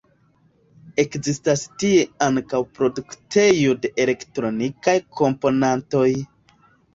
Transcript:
Ekzistas tie ankaŭ produktejo de elektronikaj komponantoj.